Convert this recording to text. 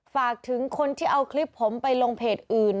ฝากถึงคนที่เอาคลิปผมไปลงเพจอื่น